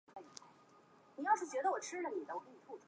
从地球观测的视差有时会使彗尾看似指向相反的方向。